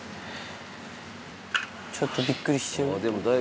ちょっとびっくりしてる？